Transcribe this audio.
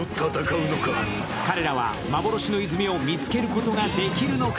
彼らは幻の泉を見つけることができるのか。